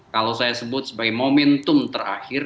kalau saya sebut sebagai momentum terakhir